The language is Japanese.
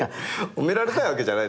褒められたいわけじゃないけどね。